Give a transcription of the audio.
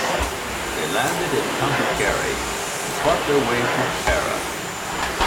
They landed in County Kerry and fought their way to Tara.